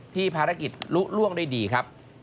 ภารกิจลุล่วงได้ดีครับ